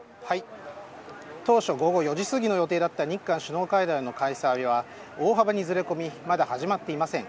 当初、午後４時すぎの予定だった日韓首脳会談の開催は大幅にずれ込みまだ始まっていません。